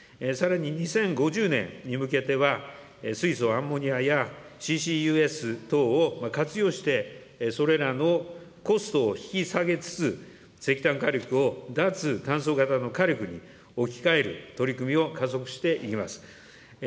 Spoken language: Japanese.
さらに２０５０年に向けては、水素、アンモニアやＣＣＵＳ等を活用して、それらのコストを引き下げつつ、石炭火力を脱炭素型の火力に置き換える取り組みを加速していきます。